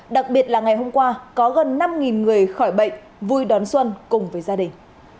đặc biệt là ngày hôm qua có gần năm người khỏi bệnh vui đón xuân cùng với gia đình